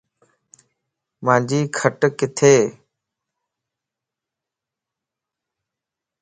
مانجي کٽ ڪٿي؟